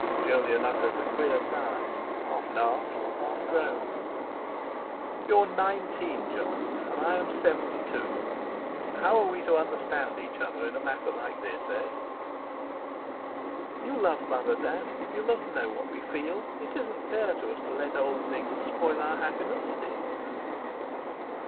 Jolyon uttered a queer sound, half laugh, half groan. "You are nineteen, Jon, and I am seventy two. How are we to understand each other in a matter like this, eh?" "You love Mother, Dad; you must know what we feel. It isn't fair to us to let old things spoil our happiness, is it?"